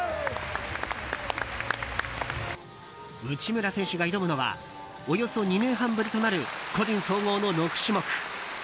内村選手が挑むのはおよそ２年半ぶりとなる個人総合の６種目。